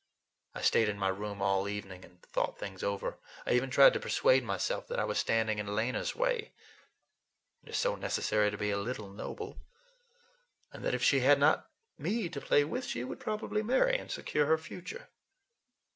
I stayed in my room all evening and thought things over; I even tried to persuade myself that I was standing in Lena's way—it is so necessary to be a little noble!—and that if she had not me to play with, she would probably marry and secure her future.